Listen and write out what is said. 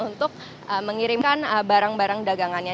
untuk mengirimkan barang barang dagangannya